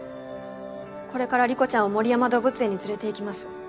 これから理子ちゃんをモリヤマ動物園に連れていきます。